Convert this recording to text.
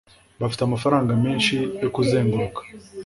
bafite amafaranga menshi yo kuzenguruka